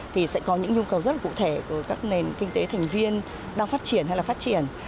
thì sẽ có những nhu cầu rất là cụ thể của các nền kinh tế thành viên đang phát triển hay là phát triển